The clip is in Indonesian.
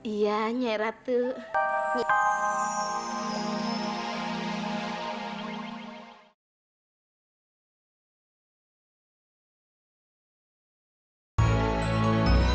iya nyiratu dan nanti kalau paman lengser udah pulang kesini